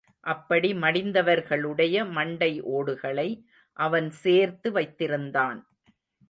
அப்படி மடிந்தவர்களுடைய மண்டை ஓடுகளை அவன் சேர்த்து வைத்திருந்தான்.